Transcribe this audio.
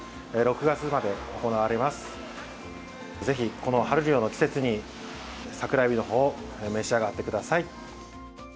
ぜひこの春漁の季節に桜えびのほうを召し上がってください。